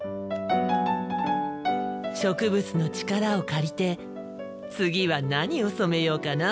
植物の力を借りて次は何を染めようかな。